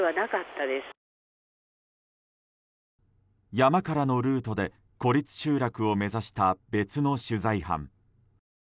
山からのルートで孤立集落を目指した別の取材班。